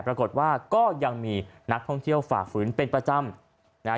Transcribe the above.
ปรากฏว่าก็ยังมีนักท่องเที่ยวฝ่าฝืนเป็นประจำนะฮะ